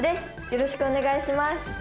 よろしくお願いします。